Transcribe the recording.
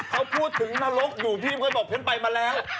เขาพูดถึงนรกอยู่พี่เคยบอกฉันไปมาแล้ว